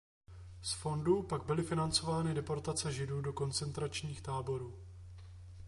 Z fondu pak byly financovány deportace Židů do koncentračních táborů.